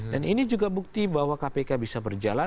dan ini juga bukti bahwa kpk bisa berjalan